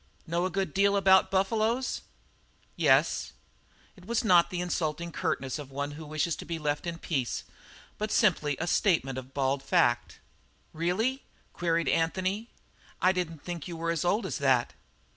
"Know a good deal about buffaloes?" "Yes." It was not the insulting curtness of one who wishes to be left in peace, but simply a statement of bald fact. "Really?" queried Anthony. "I didn't think you were as old as that!"